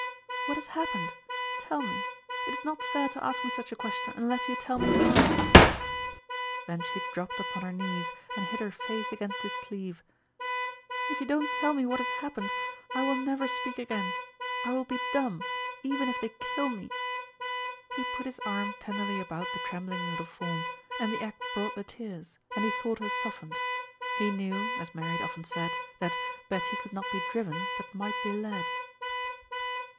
"What has happened? Tell me. It is not fair to ask me such a question unless you tell me why." Then she dropped upon her knees and hid her face against his sleeve. "If you don't tell me what has happened, I will never speak again. I will be dumb, even if they kill me." He put his arm tenderly about the trembling little form, and the act brought the tears and he thought her softened. He knew, as Mary had often said, that "Betty could not be driven, but might be led."